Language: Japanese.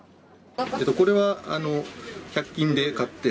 これは１００均で買って、